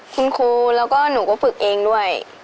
คุณครูแล้วก็หนูก็ฝึกเองด้วย